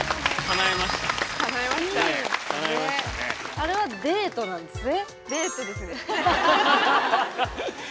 あれはデートなんですね？